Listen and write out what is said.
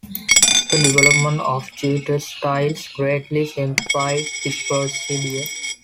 The development of geotextiles greatly simplified this procedure.